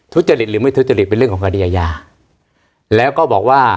ทุจริตหรือไม่ทุจริตเป็นเรื่องของคดีอาญาแล้วก็บอกว่า